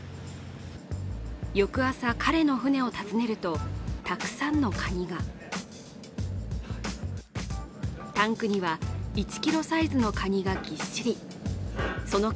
翌朝彼の船を訪ねると、たくさんのカニがタンクには１ｋｇサイズのカニがぎっしりその数